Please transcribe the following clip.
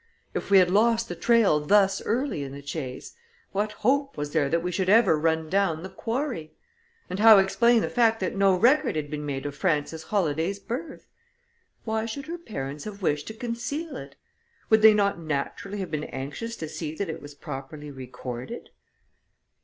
If we had lost the trail thus early in the chase, what hope was there that we should ever run down the quarry? And how explain the fact that no record had been made of Frances Holladay's birth? Why should her parents have wished to conceal it? Would they not naturally have been anxious to see that it was properly recorded?